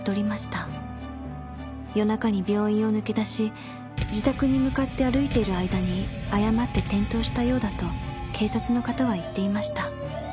夜中に病院を抜け出し自宅に向かって歩いている間に誤って転倒したようだと警察の方は言っていました。